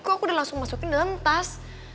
kok aku udah langsung masukin dan entas